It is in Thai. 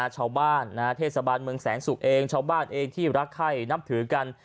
ชาวบ้านเทศบาลเมืองแสนสุกเองชาวบ้านเองที่รักไข้นับถือกัน